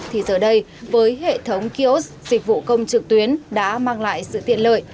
thì giờ đây với hệ thống kiosk dịch vụ công trực tuyến đã mang lại sự tiện lợi